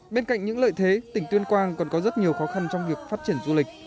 bên cạnh những lợi thế tỉnh tuyên quang còn có rất nhiều khó khăn trong việc phát triển du lịch